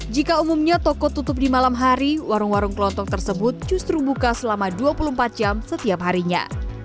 jika umumnya toko tutup di malam hari warung warung kelontok tersebut justru buka selama dua puluh empat jam setiap harinya